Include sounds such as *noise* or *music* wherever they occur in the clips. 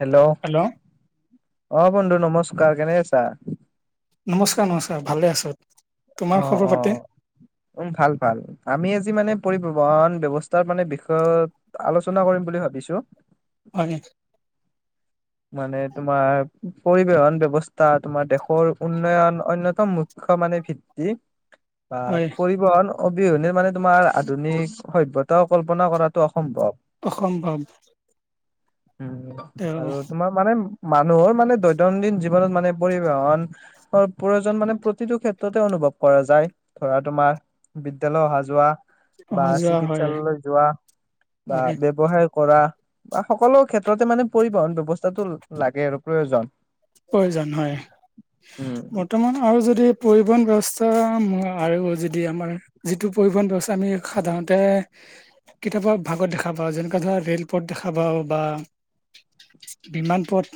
Hello hello অ', বন্ধু নমস্কাৰ, কেনে আছা? নমস্কাৰ নমস্কাৰ, ভালে আছোঁ। অ', অ' উম ভাল ভাল, আমি আজি মানে পৰিবহন ব্যৱস্থাৰ মানে বিষয়ত আলোচনা কৰিম বুলি ভাবিছোঁ। হয় নেকি? মানে তোমাৰ, পৰিবহন ব্যৱস্ স্থা তোমাৰ দেশৰ উন্নয়ন অন্যতম মুখ্য মানে ভিত্তি। হয় আ-পৰিবহন অবিহনে মানে তোমাৰ আধুনিক সভ্যতাও কল্পনা কৰাটো অসম্ভৱ। অসম্ভৱ। উম, তেওঁ আৰু তোমাক মানে মানুহৰ মানে দৈনন্দিন জীৱনত মানে পৰিবহন হয়, প্ৰয়োজন মানে প্ৰতিটো ক্ষেত্ৰতে অনুভৱ কৰা যায়, ধৰা তোমাৰ বিদ্যালয় অহা-যোৱা বা অহা যোৱা হয় চিকিৎসালয়লৈ যোৱা বা হয় ব্যৱসায় কৰা বা সকলো ক্ষেত্ৰতে মানে পৰিবহন ব্যৱস্থাটো লাগে আৰু প্ৰয়োজন। প্ৰয়োজন হয়, উম। মোৰ বৰ্তমান আৰু যদি পৰিবহণ ব্যৱস্থা আৰু যদি আমাৰ যিটো পৰিবহণ ব্যৱস্থা আমি সাধাৰণতে কিতাপৰ ভাগত দেখা পাওঁ, যেনেকুৱা ধৰা ৰে'ল পথ দেখা পাওঁ বা বিমান পথ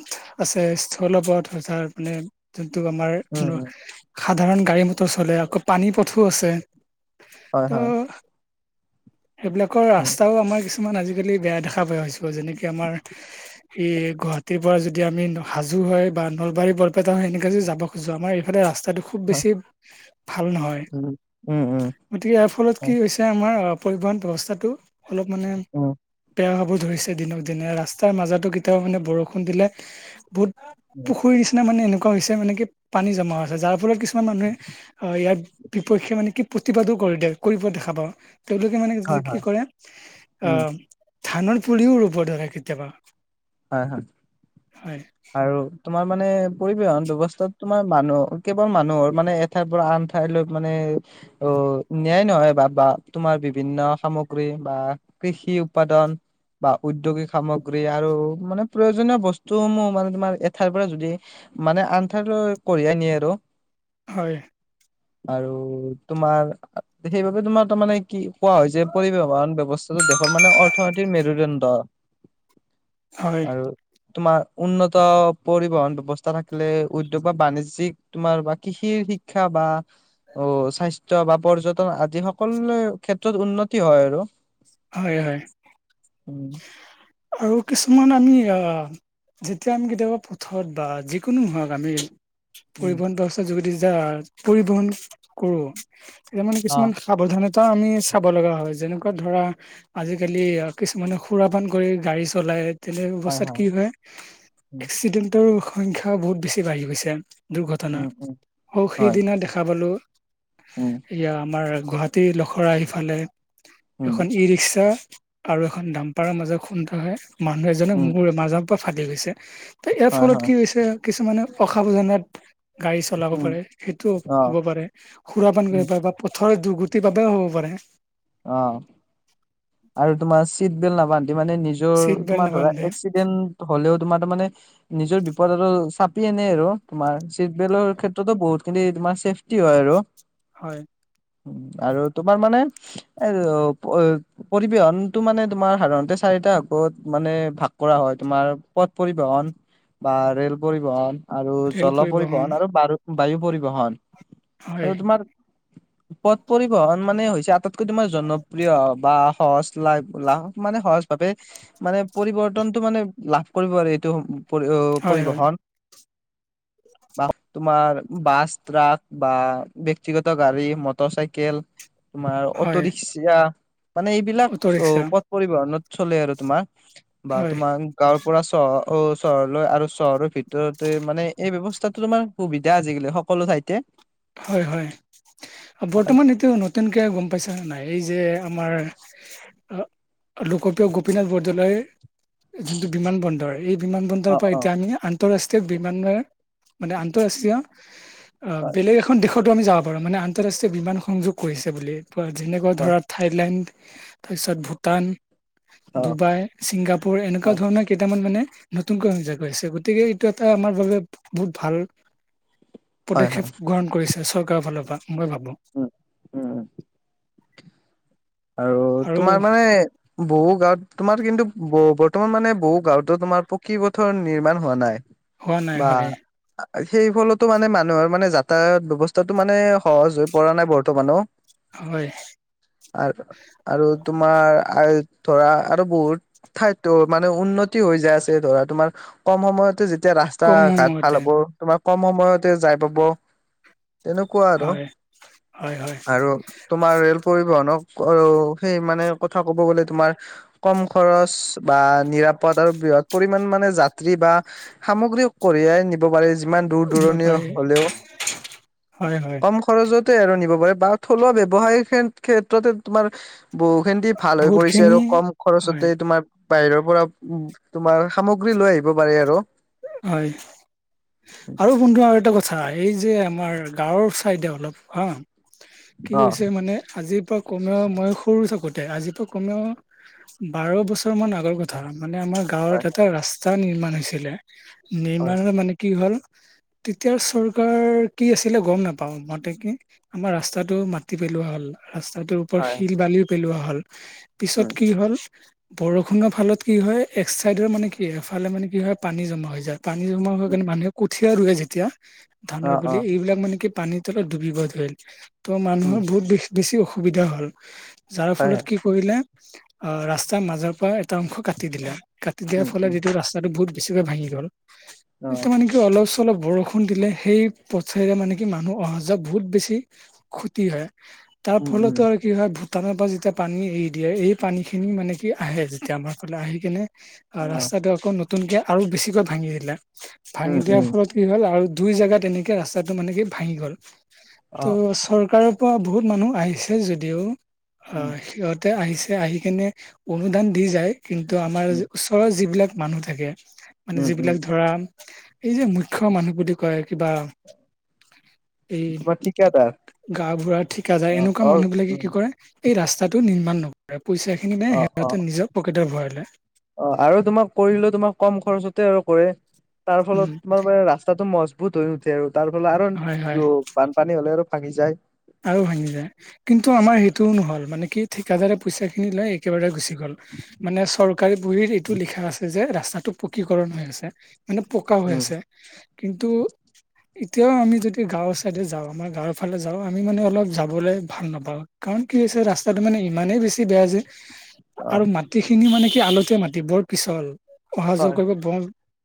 আছে স্থলপথ আছে, তাৰ মানে যোনটো আমাৰ উম, উম, সাধাৰণ গাড়ী মটৰ চলে, আকৌ পানী পথো আছে। হয় ত' হয়। সেইবিলাকৰ উম, ৰাস্তাও আমাৰ কিছু মান আজিকালি বেয়া দেখা পোৱা হৈছোঁ, যেনেকে আমাৰ ই গুৱাহীৰ পৰা যদি আমি হাজ হাজো হৈ বা নলবাৰী-বৰপেটা হৈ এনেকে যদি যাব খুজোঁ, আমাৰ এইফালে ৰাস্তাটো খু খুব হয়, বেছি ভাল নহয়। উম, উম, উম, গতিকে ইয়াৰ ফলত হয়, কি হৈছে, আমাৰ পৰিবহণ ব্যৱস্থাটো অলপ মানে অ' বেয়া হ'ব ধৰিছে দিনক দিনে, ৰাস্তাৰ মাজতো কেতিয়াবা মানে বৰষুণ দিলে বহুত উম, পুখুৰীৰ নিচিনা মানে এনেকুৱা হৈছে মানে কি পানী জমা হৈছে, যাৰ ফলত কিছুমান মানুহে আ-ইয়াৰ বিপক্ষে মানে কি প্ৰতিবাদো কৰি দিয়ে, কৰিব দেখা পাওঁ। তেওঁলোকে মানে হয়, কি হয়, কৰে, উম, আহ, ধানৰ পুলিও ৰুব ধৰে কেতিয়াবা। হয়, হয়। হয়। আৰু তোমাৰ মানে, পৰিবহন ব্যৱস্থাত তোমাৰ মানুহ কেৱল মানুহৰ মানে ঠাইৰ পৰা আন ঠাইলৈ মানে অ, নিয়াই নহয় বা, বা তোমাৰ বিভিন্ন সামগ্ৰী বা কৃষি উৎপাদন বা উদ্যোগিক সামগ্ৰী আৰু মানে প্ৰয়োজনীয় বস্তুসমূহ মানে তোমাৰ এঠাইৰ পৰা যদি, মানে আন ঠাইৰলৈ কঢ়িয়াই নিয়ে আৰু হয়। আৰু তোমাৰ, সেইবাবে তোমাৰটো, মানে কি কোৱা হয় যে, পৰিবহন ব্যৱস্থাটো দেশৰ মানে অৰ্থনৈতিৰ মেৰুদণ্ড হয় আৰু তোমাৰ উন্নত, পৰিবহন ব্যৱস্থা থাকিলে উদ্যোগ বা বাণিজ্যিক তোমাৰ বা কৃষিৰ শিক্ষা বা অ, স্বাস্থ্যয় বা পৰ্যটন আদি সকলোৰে ক্ষেত্ৰত উন্নতি হয় আৰু হয়, হয়। উম আৰু কিছুমান আমি আহ যেতিয়া আমি কেতিয়াবা পথত বা যিকোনো হওক আমি উম পৰিবহন ব্যৱস্থাৰ যোগেদি যাৰ পৰিবহন কৰো, তেতিয়া মানে অ কিছুমান সাৱধানতা আমি চাব লগা হয়, যেনেকুৱা ধৰা আজিকালি কিছুমানে খুৰাপান কৰি গাড়ী চলাই, তেনে অৱস্থাত কি হয়। উম এক্সিডেণ্টৰ সংখ্যাও বহুত বেছি বাঢ়ি গৈছে। দুৰ্ঘটনা, উম উম সৌ হয় সেইদিনা দেখা পালো উম। এয়া, আমাৰ গুৱাহাটী লখৰা সিফালে উম। ই-ৰিক্সা আৰু এখন ডাম্পাৰৰ মাজত খুন্দা হয়, মানুহ এজনে উম মোৰ মাজত পৰা ফাটি গৈছে, ইয়াৰ হয় ফলত হয় কি হৈছে, কিছুমানে অসাবধনত গাড়ী চলাব উম পাৰে, সেইটো অ হ'ব পাৰে। সুৰাপান উম কৰিব পাৰে, বা পথৰ দুৰ্গতিৰ বাবেও হ'ব পাৰে। অ। আৰু তোমাৰ চিট বেল্ট নাবান্ধি মানে, নিজৰ চিট বেল্ট তোমাৰ ধৰা নাবান্ধে এক্সিডেণ্ট হলেও তোমাৰ তাৰ মানে নিজৰ বিপদ আৰু *unintelligible* আনে আৰু তোমাৰ চিট বেল্টৰ ক্ষেত্ৰটো বহুতখিনি তোমাৰ চেফ টি হয় আৰু হয়। আৰু তোমাৰ মানে, *unintelligible* পৰিবহনটো মানে তোমাৰ সাধাৰণতে চাৰিটা ভাগত মানে ভাগ কৰা হয়। তোমাৰ পথ পৰিবহন বা ৰেল পৰিবহণ আৰু জল পৰিবহন আৰু বাৰু বায়ু পৰিবহন। আৰু হয় তোমাৰ পথ পৰিবহন মানে হৈছে, আটাইতকৈ তোমাৰ জনপ্ৰিয় অ, সহজ লাইফ, লাভ মানে সহজ ভাৱে মানে পৰিৱৰ্তনটো মানে লাভ কৰিব পাৰি, এইটো পৰি হয় হয় পৰিবহন। *inaudible* বা তোমাৰ বাছ, ট্ৰাক বা ব্যক্তিগত গাড়ী, মটৰ চাইকেল তোমাৰ অটো, হয় ৰিক্সা মানে এইবিলাক অটো ৰিক্সা অ পৰিবহনত চলে আৰু তোমাৰ, বা হয় তোমাৰ গাঁওৰ পৰা চহৰ অ চহৰলৈ আৰু চহৰৰ ভিতৰতে মানে এই ব্যয়ৱস্থাটো তোমাৰ সুবিধা আজিকালি সকলো ঠাইতে। হয় হয় বৰ্তমান এতিয়া ন তেনকে গম পাইছা নাই, এই যে আমাৰ আ লোকপ্ৰিয় গোপীনাথ বৰদলৈয় যোনটো বিমান বন্দৰ এই বিমান বন্দৰ অ পৰা অ এতিয়া আমি আন আন্ত ৰাষ্ট্ৰীয় বিমান মানে আন্ত ৰাষ্ট্ৰীয় আ হয় বেলেগ এখন দেশতো আমি যাব পাৰোঁ মানে আন্তঃৰাষ্ট্ৰীয় বিমান সংযোগ কৰিছে বুলি, যেনেকুৱা হয় ধৰা থাইলেণ্ড তাৰপিছত ভূটান, অ ডুবাই, ছিংগাপুৰ এনেকুৱা হয় ধৰণৰ কেইটামান মানে নতুনকৈ সজৈ পাইছে, গতিকে এইটো এটা আমাৰ বাবে বহুত ভাল *unintelligible* পদক্ষেপ হয় গ্ৰহণ কৰিছে চৰকাৰৰ ফালৰ পৰা মই ভাবো। *inaudible* আৰু তোমাৰ মানে বহু গাঁৱত তোমাৰ কিন্তু ব বৰ্তমান মানে বহু গাঁৱতো তোমাৰ পকী পথৰ নিৰ্মাণ হোৱা নাই। হোৱা নাই বা হয় সেই ফলতো মানে মানুহৰ মানে যাতায়াত ব্যৱস্থাটো মানে সহজ হৈ পৰা নাই বৰ্তমানো। হয়। আৰু আৰু তোমাৰ আৰু ধৰা আৰু বহুত ঠাইতো মানে উন্নতি হৈ যায় আছে ধৰা তোমাৰ কম সময়তে যেতিয়া এতিয়া ৰাস্তা কম ঘাট সময়তে ভাল হ'ব তোমাৰ কম সময়তে যাই পাব। তেনেকুৱা আৰু হয় হয় হয় আৰু তোমাৰ ৰেল পৰিবহনক অৰো সেই মানে কথা ক'ব গলে তোমাৰ কম খৰচ বা নিৰাপদ আৰু বৃহৎ পৰিমণ মানে যাত্ৰী বা সামগ্ৰীও কঢ়িয়াই নিব পাৰে যিমান দূৰ কৰিব দূৰণি পাৰি হলেও হয় হয় কম খৰজতে আৰু নিব পাৰে বা থলুৱা ব্যৱসায় ক্ষেত্ৰতে তোমাৰ বহু খিনদি ভাল হৈ বহুত পৰিছে আৰু খিনি কম খৰচতে হয় তোমাৰ বাহিৰৰ পৰা উ তোমাৰ সামগ্ৰী লৈ আহিব পাৰে আৰু। হয়। আৰু বন্ধু আৰু এটা কথা এই যে আমাৰ গাঁৱৰ চাইডে অলপ হা কি অ হৈছে মানে আজিৰ পৰা কমেও মই সৰু থাকোঁতে আজি কমেও বাৰ বছৰ মান আগৰ কথা মানে আমাৰ গাঁৱত হয় এটা ৰা টা নিৰ্মাণ হৈছিলে, নিৰ্মাণ হয় এটা মানে কি হ'ল, তেতিয়া চৰকাৰ কি আছিলে গম নাপাওঁ সঠিকে। আমাৰ ৰাস্তাটো মাটি পেলোৱা হল, ৰাস্তাটোৰ ওপৰত হয় শিল বালিও পেলোৱা হল, পিছত উম কি কি হ'ল বৰষুণৰ ফালত কি হয় এক চাইডৰ মানে কি এফালে মানে কি হয় পানী জমা হৈ যায়। পানী জমা হয় উম কিনে মানুহে কঠিয়া ৰুৱে যেতিয়া ধানৰ অ', বুলি অ', এইবিলাক মানে কে পানীৰ তলত ডুবিব ধৰিল, ত উম মানুহৰ বহুত বে বেছি অসুবিধা হল। যাৰ ফলত হয়। কি কৰিলে আহ ৰাস্তাৰ মাজৰ পৰা এটা অংশ কাটি দিলে। কাটি দিয়াৰ উম ফলত উম এইতিটো ৰাস্তাটো বহুত বেছিকে ভাঙি গ'ল, এইটো অ', মানে কি অলচ অলপ বৰষুণ দিলে সেই পথাইৰে মানে কি মানুহ অহা যোৱা বহুত বেছি ক্ষতি হয় তাৰ উম উম ফলতো আৰু কি হয় ভূটানৰ পা যেতিয়া পানী এৰি দিয়ে এই পানী খিনি মানে কি আহে যেতিয়া আমাৰ ফলে আহি কিনে অ', ৰাস্তাটো আকৌ নতুনকে আৰু বেছিকৈ ভাঙি দিলে। ভাঙি উম দিয়াৰ উম ফলত কি হ'ল আৰু দুই জেগাত তেনেকে ৰাস্তাটো মানে কি ভাঙি গ'ল। ত' অ চৰকাৰৰ *unintelligible* বহুত মানুহ আহিছে যদিও উম আহ সিহঁত তে আহিছে, আহি কেনে অনুদান দি যায় কিন্তু আমাৰ উম ওচৰৰ যিবিলাক মানুহ থাকে, মানে উম উম যিবিলাক ধৰা এই যে মুখ্য মানুহ বুলি কয়। কিবা তোমাৰ থি গা বুঢ়া ঠিকা যায়। এনেকুৱা মানুহ বিলাকে উম কি কৰে, এই ৰাস্তাটো নিৰ্মাণ ন--ৰে। পইচা খিনি নে অ অ সিহঁতে নিজৰ পকেটৰ ভৰাই লই। অ আৰু তোমাক কৰিলেও তোমাক কম খৰচতে আৰু কৰে, তাৰ উম ফলত তোমাৰ ৰাস্তাটো মজবুত হৈ নুঠে আৰু তাৰ ফল হয় হয় কাৰণটো বানপানী হ'লে আৰু ভাঙি যায়। আৰু ভাঙি যায় কিন্তু আমাৰ সেইটোও নহল, মানে কি ঠিকাদাৰে পইচা খিনি লৈ একেবাৰে গুচি গ গল মানে চৰকাৰী বহীৰ এইটো লিখা আছে যে ৰাস্তাটো পকীকৰণ হৈ আছে। মানে পকা হৈ আছে। অ কিন্তু এতিয়াও আমি যদি গাঁৱৰ ছাইডে যাওঁ, আমাৰ গাঁৱৰ ফালে যাওঁ। আমি মানে অলপ যাবলৈ ভাল নাপাওঁ কাৰণ কি হৈছে ৰাস্তাটো মানে ইমানেই বেছি বেয়া যে, আৰু মাটিখিনি মানে কি আলতীয়া মাটি, বৰ পিছল। অহা যোৱা হয় কৰিব ব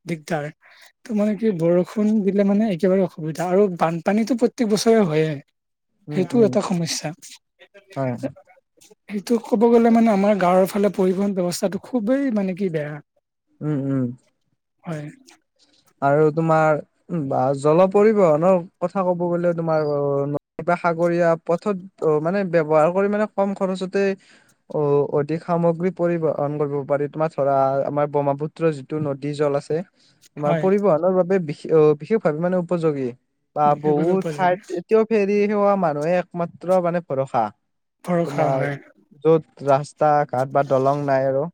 দিগদাৰ। ত' মানে কি বৰষুণ দিলে মানে একেবাৰে অসুবিধা আৰু বানপানীটো প্ৰত্যেক বছৰে হয়ে। উম সেইটো উম এটা সমস্যা। হয় সেইটো ক'ব গ'লে মানে আমাৰ গাঁৱৰ ফালে পৰিবহন ব্যৱস্থাটো খুবেই মানে কি বেয়া। উম উম। হয়। আৰু তোমাৰ বা জল পৰিবহনৰ কথা ক'ব গ'লে তোমাৰ *unintelligible* সাগৰীয়া পথত অ মানে, ব্যৱহাৰ কৰি মানে কম খৰচতে অ অধিক সামগ্ৰী পৰিবহন কৰিব পাৰি। তোমাৰ ধৰা, আমাৰ ব্ৰহ্মপু টো যিটো নদী জল আছে। আমাৰ হয় পৰিবহনৰ বাবে বিশ অ বিশেষভাৱে মানে উপযোগী। বা বিশেষভাৱে বহুত উপযোগী ঠাইত এতিয়াও ফেৰি সেৱা মানুহে একমাত্ৰ মানে ভৰসা। ভৰসা তোমাৰ হয় য'ত ৰাস্তা ঘাট বা দলং নাই আৰু।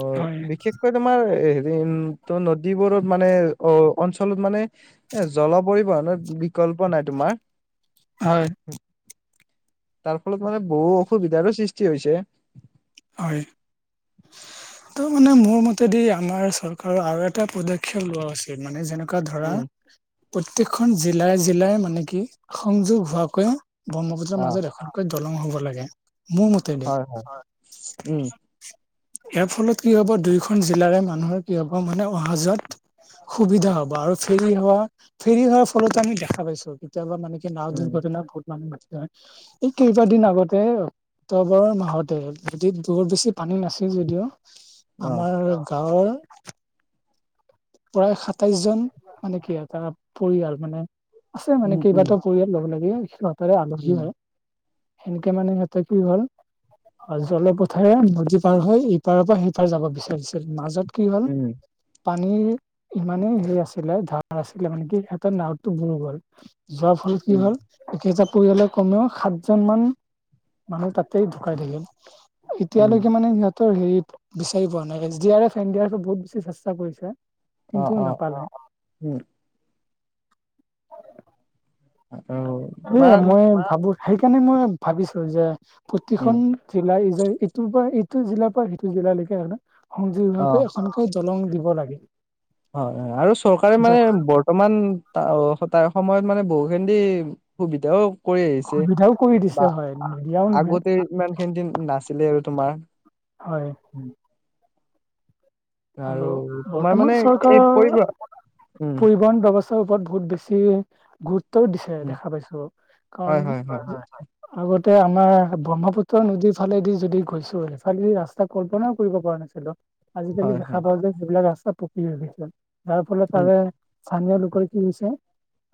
অ, হয় বিশেষকৈ তোমাৰ হেৰি উম ত' নদীবোৰত মানে অ অঞ্চলত মানে এ জল পৰিবহনৰত বিকল্প নাই তোমাৰ। হয়। তাৰ ফলত মানে বহু অসুবিধাৰো সৃষ্টি হৈছে। হয়। ত' মানে মোৰ মতেদি আমাৰ চৰকাৰ আৰু এটা পদক্ষেপ লোৱা *unintelligible* মানে যেনেকুৱা ধৰা, উম, প্ৰত্যেকখন জিলাই জিলাই মানে কি সংযোগ হোৱাকৈ ব্ৰহ্মপুত্ৰৰ অ', মাজত এখন কৈ দলং হ'ব লাগে, মোৰ মতে দি। হয়, হয়, উম। ইয়াৰ ফলত কি হ'ব, দুয়োখন জিলাৰে মানুহৰ কি হ'ব, মানে অহা যোৱাত সুবিধা হ'ব আৰু ফেৰী অহা ফেৰী হোৱাৰ ফলতো আমি দেখা পাইছো। কেতিয়াবা মানে নাওঁ উম, দুৰ্ঘটনাত বহুত মানুহ মৰি নহয়। এই কেইবাদিন আগতে ক্টবৰৰ মাহতে নদীত বৰ বেছি পানী নাছিল যদিও, অ', আমাৰ গাঁৱৰ প্ৰায় সাতাইশ জন মানে কি এটা পৰিয়াল মানে আছে মানে উম, উম, কেইবাতোও পৰিয়াল লগ লগে সিহঁতেৰে আলহী উম, হয়। সেনেকে মানে সিহঁতে কি হ'ল অ' জলে পথেৰে নদী পাৰ হৈ ইপাৰৰ পৰা সিপাৰ যাব বিচাৰিছিল। মাজত কি হ'ল উম, পানীৰ ইমানেই হেৰি আছিলে ধাৰ আছিলে মানে কি এটা নাৱতো বুৰ গ'ল। যোৱাৰ ফলত কি উম, হ'ল একেটা পৰিয়ালৰ কমেও সাতজন মান মানুহ তাতে ঢুকাই থাকিল। উম, এতিয়ালৈকে মানে সিহঁতৰ হেৰি বিচাৰি পোৱা নাই। S D R F N D আৰফে বহুত বেছি চেষ্টা কৰিছে কিন্তু অ' অ' নাপালে উম। আৰু এ তোমাৰ মই ভাবো, সেইকাৰণে মই ভাবিছো যে উম। প্ৰতিখন জিলা ইজ ইটোৰ পৰা ইটো জিলাৰ পৰা সিটো জিলালৈকে হয় নে সংযোগী অ হওঁতে এখন দলং দিব লাগে। হয় হয় আৰু চৰকাৰে মানে যাতে বৰ্তমান তা তাৰ সময়ত মানে বহু খিনি সুবিধাওঁ কৰি আহিছে, সুবিধাও কৰি দিছে বা হয় নিদিয়াও নহয় আগতে ইমান খিনি দিন নাছিলে আৰু তোমাৰ। হয়। আৰু তোমাৰ মানে বৰ্তমান এই চৰকাৰৰ পৰিব উম পৰি পুৰণ ব্যৱস্থাৰ ওপৰত বহুত বেছি গুৰুত্ব তো দিছে উম দেখা পাইছো। কাৰণ হয় হয় হয় আগতে আমাৰ ব্ৰহ্মপুত্ৰ নদীৰ ফালেদি যদি গৈছো, সেইফালে ৰাস্তা কল্পনাও কৰিব পৰা নাছিলো। আজিকালি হয় দেখা হয় পাওঁ যে সেইবিলাক ৰাস্তা পকী হৈ গৈছে। যাৰ ফলত উম তাৰে স্থানীয় লোকৰ কি কৈছে?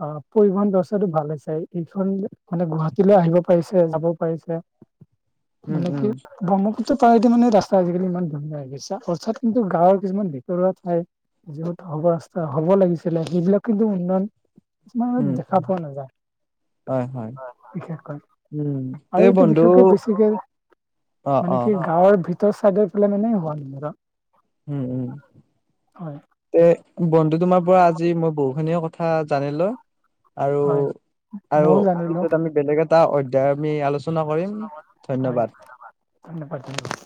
অ' পৰিবহন ব্যৱস্থাটো ভাল হৈছে, ইখন মানে গুৱাহাটীলৈ আহিব পাৰিছে যাব পাৰিছে। *inaudible* মানে কি উম ব্ৰহ্মপুত্ৰ পাৰেদি মানে ৰাস্তা আজি কালি ইমান ধুনীয়া হৈ গৈছে। অৰ্থাৎ গাঁৱৰ কিছুমান ভিতৰুৱা ঠাই। যিহেতু হ'ব ৰাস্তা হ'ব লাগিছিলে সেইবিলাক কিন্তু উন্নয়ন কিছুমানত উম দেখা পোৱা নাযায়। হয় হয় বিশেষকৈ, উম তে আৰু এইটো বন্ধু বিশেষকৈ বেছিকে অ অ মানে কি গাঁৱৰ ভিতৰ চাইডৰ ফালে মানে হোৱা নাই। উম উম। হয় তে বন্ধু তোমাৰ পৰা আজি মই বহু খিনিয়ে কথা জানিলো। আৰু হয় আৰু ময়ও জানিলো পিছত আমি বেলেগ এটা অধ্যায় আমি আলো হয় ধন্যবাদ ধন্যবাদ।